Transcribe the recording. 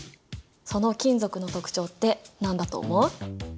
その金属の特徴って何だと思う？